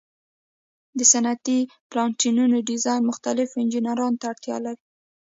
د صنعتي پلانټونو ډیزاین مختلفو انجینرانو ته اړتیا لري.